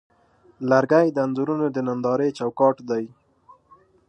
لرګی د انځورونو د نندارې چوکاټ دی.